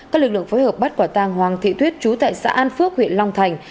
các lực lượng phối hợp bắt quả tàng hoàng thị tuyết chú tại xã an phước huyện long thành